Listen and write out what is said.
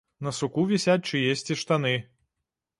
На суку вісяць чыесьці штаны.